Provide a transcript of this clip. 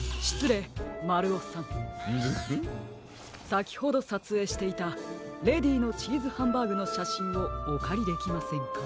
さきほどさつえいしていたレディーのチーズハンバーグのしゃしんをおかりできませんか？